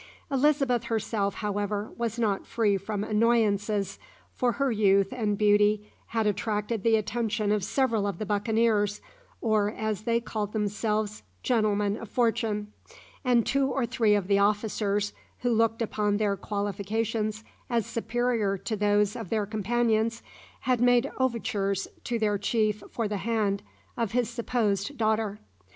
Elizabeth herself, however, was not free from annoyances, for her youth and beauty had attracted the attention of several of the buccaneers, or, as they called themselves, "gentlemen of fortune," and two or three of the officers, who looked upon their qualifications as superior to those of their companions, had made overtures to their chief for the hand of his supposed daughter.